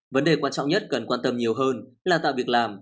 vấn đề quan trọng nhất cần quan tâm nhiều hơn là tạo việc làm